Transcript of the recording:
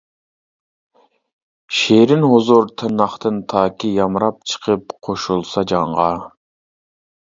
شېرىن ھۇزۇر تىرناقتىن تاكى، يامراپ چىقىپ قوشۇلسا جانغا.